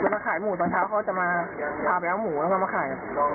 มาขายหมูตอนเช้าเขาจะมาพาไปเอาหมูแล้วก็มาขาย